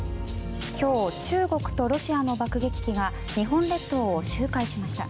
今日中国とロシアの爆撃機が日本列島を周回しました。